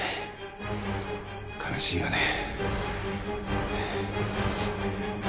悲しいよね。